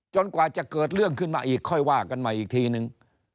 กว่าจะเกิดเรื่องขึ้นมาอีกค่อยว่ากันใหม่อีกทีนึง